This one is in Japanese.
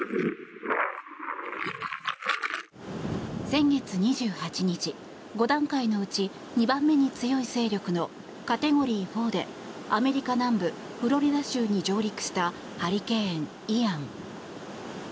先月２８日５段階のうち２番目に強い勢力のカテゴリー４でアメリカ南部フロリダ州に上陸したハリケーン、イアン。